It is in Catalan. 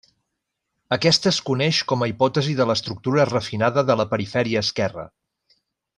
Aquesta es coneix com a hipòtesi de l'estructura refinada de la perifèria esquerra.